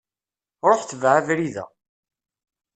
Ruḥ tbeε abrid-a.